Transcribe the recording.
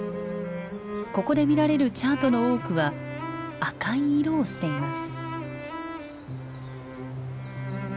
ここで見られるチャートの多くは赤い色をしています。